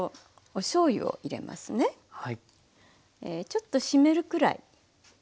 ちょっと湿るくらい。